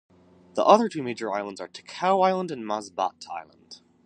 The other two major islands are Ticao Island and Masbate Island.